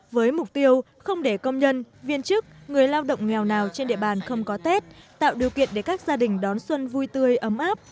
với mục tiêu không để công nhân viên chức người lao động nghèo nào trên địa bàn không có tết tạo điều kiện để các gia đình đón xuân vui tươi ấm áp